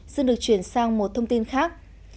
xin được chuyển sang một thông tin khác